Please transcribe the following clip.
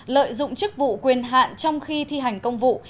lợi dụng chức vụ quyền hạn trong khi thi hành công vụ